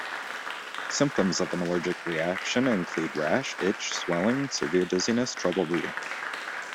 Symptoms of an allergic reaction include rash, itch, swelling, severe dizziness, trouble breathing.